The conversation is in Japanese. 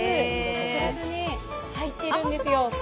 桜が入っているんですよ。